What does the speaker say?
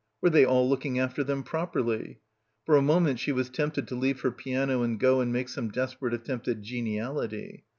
Were they all looking after them properly? For a moment she was tempted to leave her piano and go and make some desperate attempt at geniality.